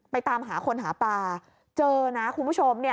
ตามหาคนหาปลาเจอนะคุณผู้ชม